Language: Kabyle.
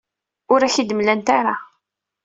Ur ak-t-id-mlant ara.